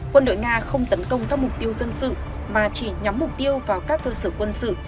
quân đội nga không tấn công các mục tiêu dân sự mà chỉ nhắm mục tiêu vào các cơ sở quân sự